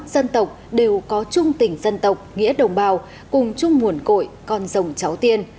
dân tộc đều có chung tỉnh dân tộc nghĩa đồng bào cùng chung muồn cội con rồng cháu tiên